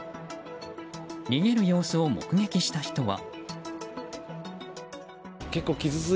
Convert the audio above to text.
逃げる様子を目撃した人は。